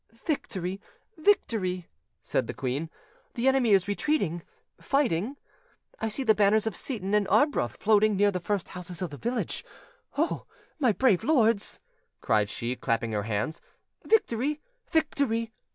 "Victory! victory!" said the queen; "the enemy is retreating, fighting. I see the banners of Seyton and Arbroath floating near the first houses in the village. Oh! my brave lords," cried she, clapping her hands. "Victory! victory!"